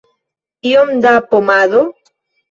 Iom da pomado?